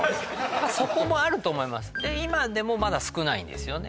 そこもあると思いますで今でもまだ少ないんですよね